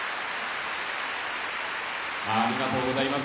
ありがとうございます。